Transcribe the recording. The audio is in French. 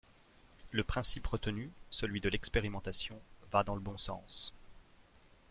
Le principe retenu, celui de l’expérimentation, va dans le bon sens.